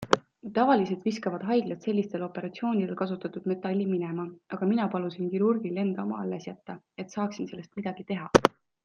Tavaliselt viskavad haiglad sellistel operatsioonidel kasutatud metalli minema, aga mina palusin kirurgil enda oma alles jätta, et saaksin sellest midagi teha.